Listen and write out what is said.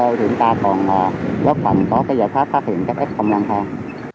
thì chúng ta còn góp phần có cái giải pháp phát hiện các hét không lang thang